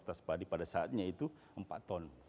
dan produk padi pada saatnya itu empat ton